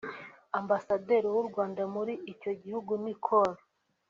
Ambasaderi w’u Rwanda muri icyo gihugu ni Col